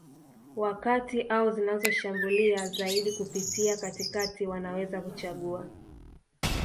wa kati au zinazoshambulia zaidi kupitia katikati wanaweza kuchagua